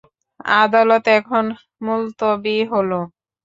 আদালত এখন মুলতবি হল।